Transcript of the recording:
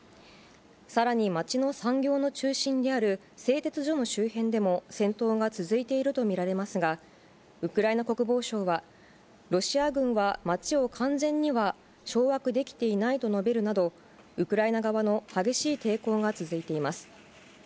さらに街の産業の中心である製鉄所の周辺でも戦闘が続いていると見られますが、ウクライナ国防省は、ロシア軍は街を完全には掌握できていないと述べるなど、ウクライナ側の激しい抵抗が続いています。